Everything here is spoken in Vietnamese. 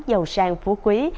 giàu sang phú quý